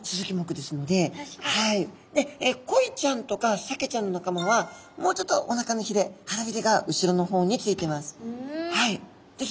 でコイちゃんとかサケちゃんの仲間はもうちょっとおなかのひれ腹びれが後ろの方についてます。